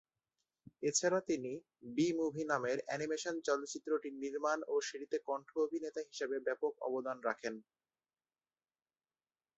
এছাড়া তিনি "Bee Movie" নামের অ্যানিমেশন চলচ্চিত্রটি নির্মাণে ও সেটিতে কন্ঠ-অভিনেতা হিসেবে ব্যাপক অবদান রাখেন।